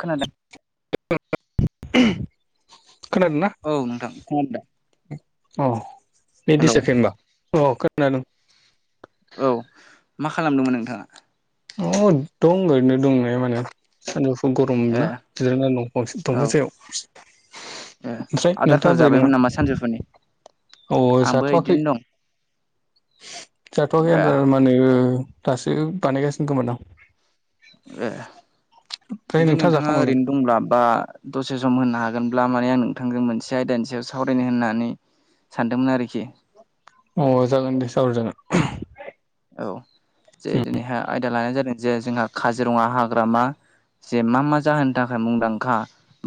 खोनादों [unintelligible] खोनादों ना औ नोंथां खमादा अ बिदिसाखै होनबा अ खोनादोंं औ मा खालामदोंमोन नोंथाङा अ दं ओरैनो दंनाया माने सानजौफु गरम ए ना जिरायना दंफां औ दंफां सायाव ओमफ्राय नोंथाङा बोरै नङा जोंहानि अ जाथ'वाखै जाथ'वाखै आ दं ए नै ओ माने दासो बानायगासिनो दमोन आं ए ओमफ्राय जुदि नोंथाङा जाखांबायमोन ओरैनो दंब्ला बा दसे सम होनो हागोनब्ला माने आं नोंथांजों मोनसे आयदानि सायाव सावरायनो होननानै सानदोंमोन आरोखि अ जागोन दे जर जागोन औ जे दिनैहाय आयदा लानाय जादों जे जोंहा काजिरङा हाग्रामा जे मा मा जाहोननि थाखाय मुंदांखा?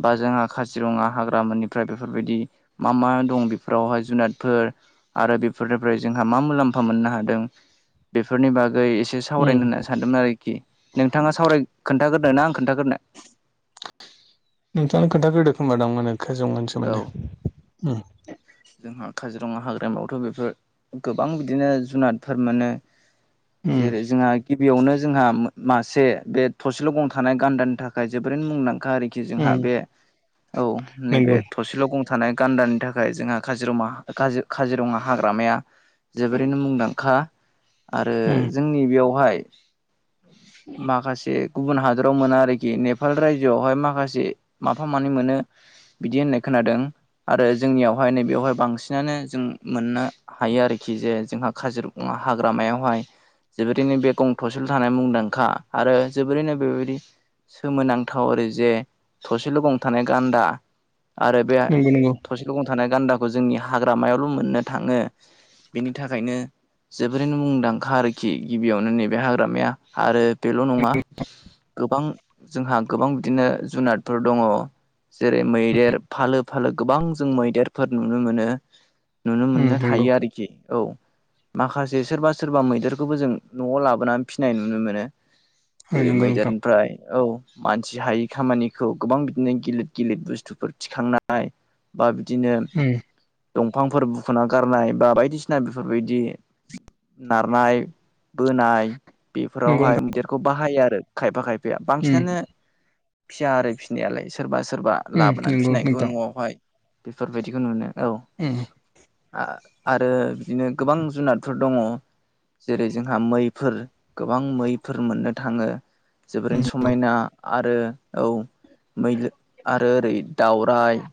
बा जोंहा काजिरङा हाग्रामोननिफ्राय बेफोरबायदि मा मा दं बेफोरावहाय जुनादफोर आरो बेफोरनिफ्राय जोंहा मा मुलाम्फा मोननो हादों बेफोरनि बागै एसे उम सावरायनो होनना सानदोंमोन आरोखि नोंथाङा सावराय खोनथाग्रोना आं खोनथाग्रोनो? नोंथांनो खोन्थाखोदो खोमाादोंंमोन खाजौमोन औ सोमोन्दो जोंहा काजिरङा हाग्रामायावथ' बेफोर गोबां बिदिनो जुनादफोर मोनो उम जेरै जोंहा गिबियावनो जोंहा मासे बे थसेल' गं थानाय गान्दानि थाखाय जोबोरैनो मुंदांखा आरि आरोखि उम जोंहा बे औ नंगौ नैबे थसेल' गंथ गान्दानि थाखाय जोंहा काजिरङा काजिरङा हाग्रामाया जोबोरैनो मुंदांखा आरो उम जोंनि बेयावहाय माखासे गुबुन हादराव मोना आरोखि नेपाल रायजोआवहाय माखासे माफा मानि मोनो। बिदि होननाय खोनादों आरो जोंनियावहाय नैबेयावहाय बांसिनानो जों मोननो हायो आरोखि जे जोंहा काजिरङा हाग्रामायावहाय जोबोरैनो बे गं थ'से थानाय मुंदांखा आरो जोबोरैनो बेबायदि सोमोनांथाव आरो जे थसेल' गं थानाय गान्दा आरो बे नंगौ नंगौ थसे गं थानाय गान्दाखौ जोंनि हाग्रामायावल' मोननो थाङो। बेनि थाखायनो जोबोरैनो मुंदांखा आरोखि गिबियावनो नैबे हाग्रामाया आरो बेल' नङा गोबां जोंहा गोबां बिदिनो जुनादफोर दङ। जेरै मैदेर फालो फालो गोबां जों मैदेर फोर नुनो मोनो नुनो उम मोननो नंगौ हायो आरोखि औ। माखासे सोरबा सोरबा मैदेरखौबो जों न'आव लाबोनानै फिसिनाय नुनो मोनो। जेरै नंगौ नोंथां मैदेरनिफ्राय औ। मानसि हायै खामानिखौ गोबां बिदिनो गिलिर गिलिर बुस्थुफोर थिखांनाय बा बिदिनो उम। दंफांफोर बुखुना गारनाय बा बायदिसिना बेफोरबायदि नारनाय बोनाय नंगौ बेफोरावहाय नोंथां मैदेरखौ बाहायो आरो। खायफा खायफाया उम बांसिनानो फिया आरो फिनायालाय सोरबा सोरबा उम लाबोनानै नंगौ फिसिनायखौ नोंथां न'आवहाय बेफोरबायदिखौ नुनो औ। उम आरो बिदिनो गोबां जुनारफोर दङ। जेरै जोंहा मैफोर गोबां मैफोर मोननो थाङो उम जोबोरैनो नंगौ समायना आरो औ मै आरो ओरै दावराइ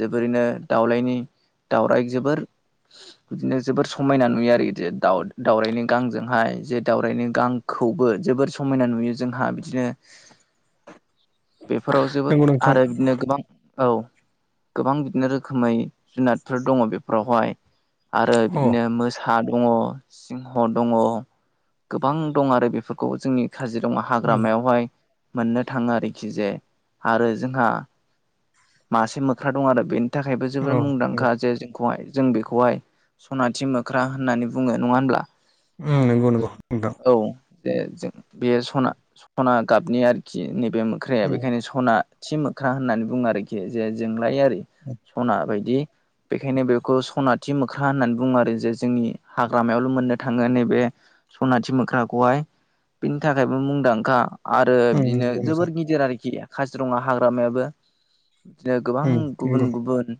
जोबोरैनो दाउलायनि दाउराय जोबोर बिदिनो जोबोर समायना नुयो आरो दाउ दाउरायनि गांजोंहाय जे दावरायनि गां खौबो जोबोर समायना नुयो जोंहा बिदिनो बेफोराव जोबोद नंगौ नोंथां आरो बिदिनो गोबां औ गोबां बिदिनो [unintelligible] जुनादफोर दंङ बेफोरावहाय आरो बिदिनो सा दङ सिंह दङ गोबां दं आरो बेफोरखौ जोंनि काजिरङा उम हाग्रामायावहाय मोननो थाङो आरोखि जे आरो जोंहा मासे मोख्रा दं आरो बे थाखायबो औ जोबोर नंगौ मुंदांखा जे हाय जों बेखौहाय सनाथि मोख्रा होननानै बुङो नङा होनब्ला? उम नंगौ नंगौ। नोंथां औ जे जों बे सना सना गाबनि आरोखि नैबे म मोख्राया उम बेखायनो सना थि मोख्रा होननानै बुङो आरोखि जे जोंलायारि [inaudible] सना बायदि बेखायनो बेखौ सनाथि मोख्रा होननानै बुङो आरो जे जोंनि हाग्रामायावल' मोननो थाङो नैबे सनाथि मोख्राखौहाय बिनि थाखायबो मुंदांखा आरो उम बिदिनो नंगौ नोंथां जोबोर गिदिर आरोखि काजिरङा हाग्रामायाबो बिदिनो गोबां उम नंगौ गुबुन गुबुन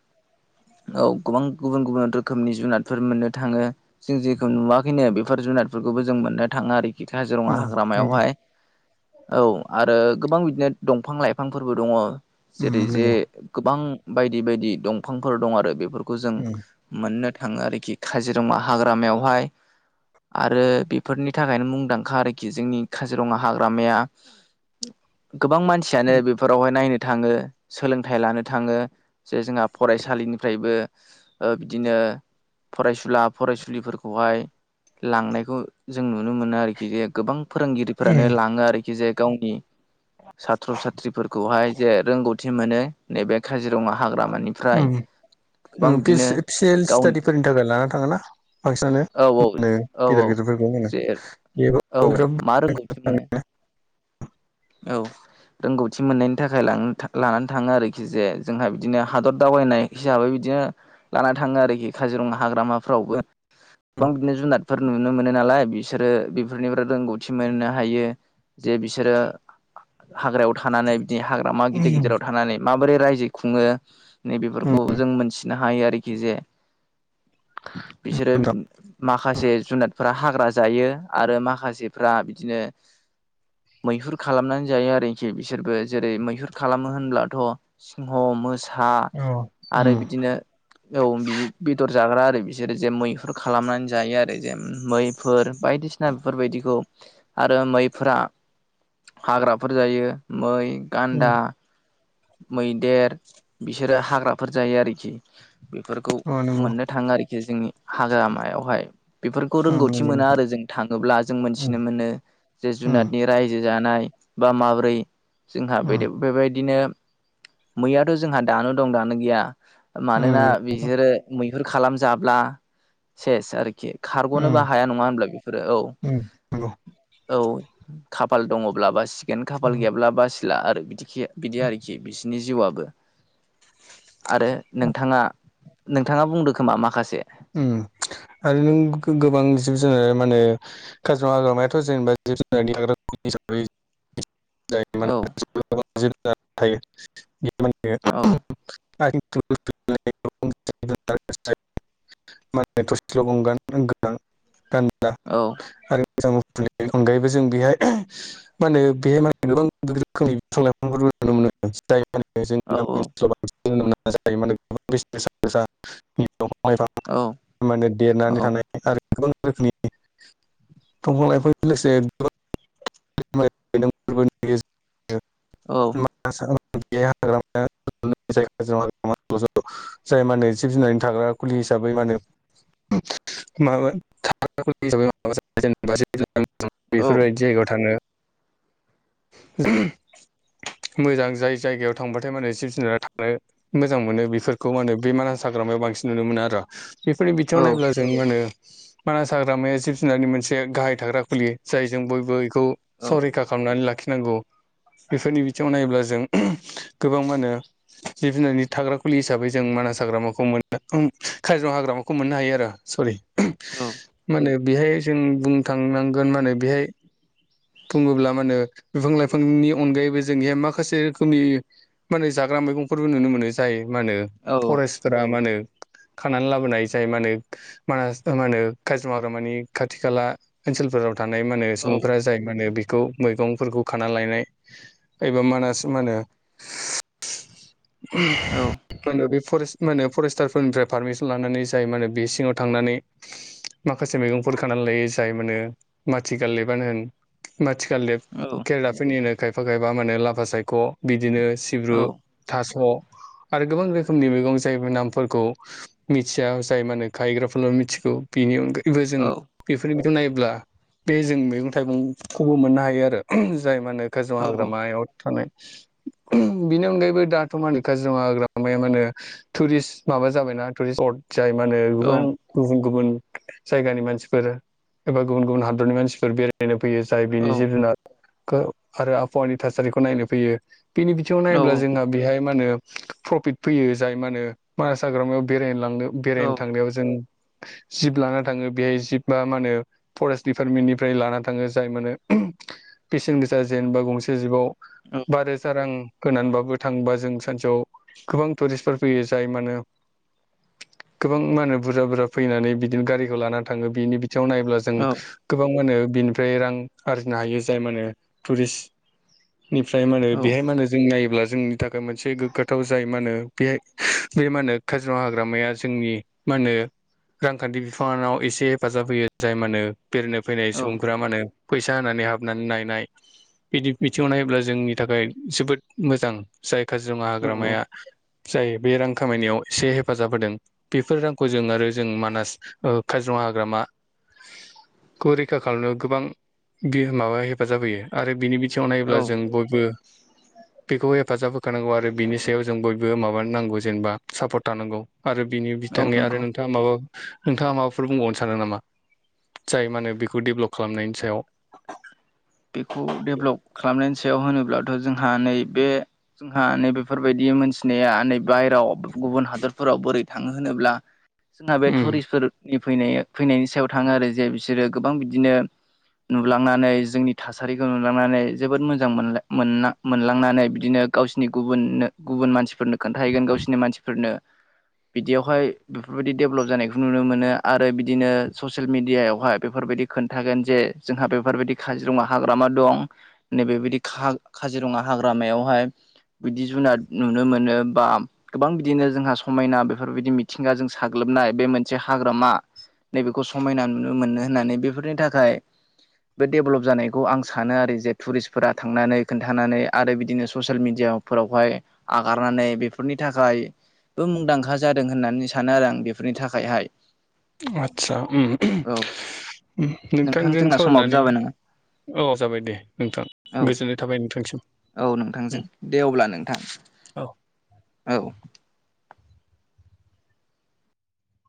औ गोबां गुबुन गुबुन रोखोमनि जुनादफोर मोननो थाङो जों जेखौ नुवाखैनो बेफोर जुनादफोरखौबो जों मोननो थाङा आरोखि काजिरङा उम नंगौ हाग्रामायावहाय औ आरो गोबां बिदिनो दंफां लाइफांफोरबो दङ उम जेरै जे नंगौ गोबां बायदि बायदि दंफांफोर दं आरो बेफोरखौ जों उम मोननो थाङो आरोखि काजिरङा हाग्रामायावहाय आरो बेफोरनि थाखायनो मुंदांखा आरोखि जोंनि काजिरङा हाग्रामाया गोबां मानसि मानसियानो बेफोरावहाय नायनो थाङो सोलोंथाइ लानो थाङो। जे जोंहा फरायसालिनिफ्रायबो ओ बिदिनो फरायसुला फरायसुलिफोरखौहाय लांनायखौ जों नुनो मोनो आरोखि जे गोबां फोरोंगिरिफोरानो लाङो आरोखि जे गावनि साथ्र' साथ्रिफोरखौहाय जे रोंगौथि मोनो नैबे काजिरङा हाग्रामानिफ्राय उम गोबां उम बिदिनो पिसिल गावनि स्टाडिफोरनि थाखाय लाना थाङो ना बांसिनानो औ औ [unintelligible] औ औ गेदेर गेदेरफोरखौ होनो [unintelligible] माने औ रोंगौथि मोननायनि थाखाय लानानै थाङो आरोखि जे जोंहा बिदिनो हादर दावबायनाय हिसाबै बिदिनो लाना थाङो आरोखि काजिरङा हाग्रामाफ्रावबो गोबां बिदिनो जुनादफोर नुनो मोनो नालाय बिसोरो बेफोरनिफ्राय रोंगौथि मोननो हायो। जे बिसोरो हाग्रायाव थानानै बिदि हाग्रामा गिदिर गिदिराव थानानै माबोरै रायजो खुङो नैबेफोरखौ जों मोनथिनो हायो आरोखि जे बिसोरो बि माखासे जुनादफोरा हाग्रा जायो आरो माखासेफ्रा बिदिनो मैहुर खालामनानै जायो आरोखि बिसोरबो जेरै मैहुर खालामो होनब्लाथ' सिंह मोसा हा औ उम आरो बिदिनो औ बि बेदर जाग्रा आरो बिसोरो जे मैहुर खालामनानै जायो आरो जे मैफोर बायदिसिना बेफोरबायदिखौ आरो मैफोरा हाग्राफोर जायो मै उम गान्दा मैदेर बिसोरो हाग्राफोर जायो आरोखि बेफोरखौ अ नंगौ मोननो थाङो आरोखि जोंनि हाग्रामायावहाय बेफोरखौ उम रोंगौथि नंगौ मोना नोंथां आरो जों थाङोब्ला जों उम मोनथिनो मोनो जे उम जुनादनि रायजो जानाय बा माब्रै जोंहा उम बे बेबायदिनो मैयाथ' जोंहा दानो दं दानो गैया मानोना उम बिसोरो मैहुर खालामजाब्ला सेस आरोखि खारग'नोबो उम हाया नङा होनब्ला बेफोरो औ उम नंगौ औ खाफाल दङब्ला बासिगोन खाफाल गैयाब्ला बासिला आरो बिदि खि बिदि आरोखि बिसोरनि जिउआबो आरो नोंथाङा नोंथाङा बुंदो खोमा माखासे उम आरो नों गोबां जिब जुनार माने काजिरङा हाग्रामायाथ' जेनेबा जिब जुनारनि थाग्रा खुलि हिसाबै औ [unintelligible] औ [unintelligible] थ'सेल' गं गोनां गान्दा औ आरो मोजांनि अनगायैबो जों बेहाय माने बेहाय माने गोबां रोखोमनि बिफां लाइफांफोरबो नुनो औ मोनो [unintelligible] [unintelligible] औ। माने देरनानै थानाय आरो गुबुन रोखोमनि दंफां लाइफांजों लोगोसे [unintelligible] औ [unintelligible] जाय माने जिब-जुनारनि थाग्रा खुलि हिसाबै माने औ [unintelligible] थाङो। मोजां जाय जायगायाव थांबाथाय माने जिब जुनारा थानो मोजां मोनो बेफोरखौ मा होनो बे मानास हाग्रामायाव बांसिन नुनो मोनो आरो। बेफोरनि औ बिथिङाव नायब्ला जों मा होनो मानास हाग्रामाया जिब जुनारनि मोनसे गाहाय थाग्रा खुलि। जाय जों बयबो बेखौ औ संरैखा खालामनानै लाखिनांगौ। बेफोरनि बिथिङाव नायोब्ला जों गोबां मा होनो जिब जुनारनि थाग्रा खुलि हिसाबै जों मानास हाग्रामाखौ मोन काजिरङा हाग्रामाखौ मोननो हायो आरो सरि। माने बेहाय जों बुंनो थांनांगोन म होने बेहाय बुंङोब्ला मा होनो बिफां लाइफांनि अनगायैबो जोंहाय माखासे रोखोमनि माने जाग्रा मैगंफोरबो नुनो मोनो जायो मा होनो औ फरेयेसफोरा मा होनो खानानै लाबोनाय जाय मा होनो मानास मा होनो काजिर मावग्रा मानि खाथि खाला ओनसोलफोराव थानाय माने सुबुंफोरा जाय मा होनो बेखौ मैगंफोरखौ खाना लायनाय एबा मानास मा होनो [unintelligible] फरेस्ट मान होन फरेस्टारफोरनिफ्राय पारमिसन लानानै जाय माने बे सिंङाव थांनानै माखासे मैगंफोर खानानै लायो जाय मोनो माथि गालदेबानो होन, माथि खालदेब। औ। केेरेलाफोरनिनो खायफा खायफा माने लाफा सायख' बिदिनो सिब्रु थास' आरो गोबां रोखोमनि मैगं जाय नामफोरखौ मिथिया जाय मा होनो खाहग्राफोरल' मिथिगौ। बेनि अनगायैबो जों औ बेफोरनि नायोब्ला बे जों मैगं थाइगंखौबो मोननो हायो आरो जाय मानो काजिरङा हाग्रामायाव थानाय बिनि अनगायैबो दाथ' माानि काजिरङा हाग्रामाया मा होनो टुरिस्ट माबा जाबायना टुरिस स्पट जाय मा होनो गोबां गुबुन गुबुन जायगानि मानसिफोर एबा गुबुन गुबुन हादरनि मानसिफोर बेराय नायनो फैयो जाय बिनि जिब जुनारखौ आरो आबहावानि थासारिखौ नायनो फैयो। बेनि बिथिंङाव नायोब्ला जोंहा बेहाय मा होनो प्रफिट फैयो जाय मा होनो मानास हाग्रामायाव बेरायनो लांनो औ बेरायनो थांनायाव जों जिब लाना थांङो बेहाय जिबा मा होनो फरेस्ट दिडिपार्टमेन्टनिफ्राय लाना थाङो जाय माने बेसेन गोसा जेनबा गंसे जिबाव औ बा रोजा रां होनानैबाबो थांबा जों सानसेयाव गोबां टुरिस्टफोर फैयो जाय मानो गोबां मा होनो बुरजा बुरजा फैनानै बिदिनो गारिखौ लानानै थांङो बिनि बिथिंङाव नायब्ला जों औ गोबां मान बिनिफ्राय रां आरजिनो हायो जाय माने टुरिस्ट निफ्राय मा होनो औ बेहाय मा होनो जों नायोब्ला जों नि थाखाय मोनसे गोग्गाथाव जाय मा होनो बेाय बे मा होनो काजिरङा हाग्रामाया जोंनि मा होनो रांखान्थि बिफानानाव एसे हेफाजाब होयो जाय मा होनो बेरायनो फैनाय औ सुबुंफोरा मा होनो फैसा सा होनानानै हाबनानै नायनाय बिदि बिथिंङाव नायोब्ला जोंनि थाखाय जोबोद मोजां जाय काजिरङा औ हाग्रामाया जाय बे रां खामायनायाव एसे हेफाजाब होदों बेफोर रांखौ जों आरो जों मानास काजिरङा हाग्रामा खौ रैखा खालामनायाव गोबां बियो माबा हेफाजाब होयो आरो बिनि बिथिंङाव औ नायोब्ला जों बयबो बेखौ हेफाजाब होखानांगौ आरो बिनि सायाव जों बयबो माबानो नांगौ जेनेबा सापर्ट थानांगौ आरो बिनि औ बिथांनि नंगौ आरो नोंथांङा माबा नोंथांङा माबाफोर बुंबावनो सानो नामा? जाय मा होनो बेखौ डेभेलप खालामनायनि सायाव बेखौ डेभलप खालामनानै सायाव होनोब्लाथ' जोंहा नैबे जोंहा नै बेफोरबायदि मोनथिनाया नै बायेरायाव गुबुन हादरफोराव बोरै थांङो होनोब्ला जोंहा बे उम टुरिसफोर नि फैनाय फैनायनि सायाव थांङो आरो जे बिसोरो गोबां बिदिनो नुलांनानै जोंनि थासारिखौ नुलांनानै जोबोद मोजां मोना मोना मोनलांनानै बिदिनो गावसिनि गुबुननो गुबुन मानसिफोरनो खोन्थाहैगोन गावसिनि मानसिफोरनो बिदियावहाय बेफोरबायदि दडेभेलप जानायखौ नुनो मोनो आरो बिदिनो ससियेल मेडियायावहाय बेफोरबायदि खोन्थागोन जे जोंहा बेफोरबायदि खा काजिरङा हाग्रामा दं नैबेबायदि का काजिरङा हाग्रामायावहाय बिदि जुनाद नुनो मोनो बा गोबां बिदिनो जोंहा समायना बेफोरबायदि मिथिंगा जों साग्लोबनाय बे मोनसे हाग्रामा नैबेखौ समायना नुनो मोनो होननानै बेफोरनि थाखाय बे डेभेलप जानायखौ आं सानो आरो जे टुरिस्टफोरा थांनानै खोनन्थानानै आरो बिदिनो ससियेल मिडियाफोरावहाय आगारनानै बेफोरनि थाखाय मुंदांखा जादों होननानै सानो आरो आं बेफोरनि थाखायहाय आस्सा ओम औ नोंथां नोंथांजों जोंना समाबो सावरायनानै जाबाय नामा अ जाबाय दे नोंथां औ गोजोननाय थाबाय नोंथांसिम औ नोंथांजों उम, दे अब्ला नोंथां औ औ